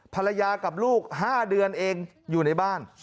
ภรรยากับลูก๕เดือนเองอยู่ในบ้าน